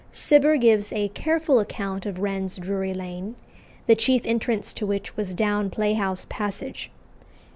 Cibber gives a careful account of Wren's Drury Lane, the chief entrance to which was down Playhouse Passage.